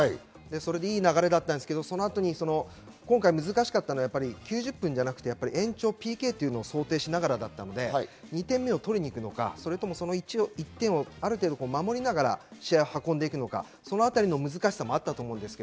いい流れだったんですけど、そのあとに今回難しかったのは９０分じゃなくて延長、ＰＫというのを想定しながらだったので、２点目を取りに行くのか、１点をある程度守りながら試合を運んでいくのか、そのあたりの難しさもあったと思います。